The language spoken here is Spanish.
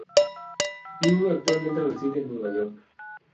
Liu actualmente reside en Nueva York.